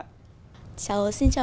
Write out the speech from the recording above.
cháu xin chào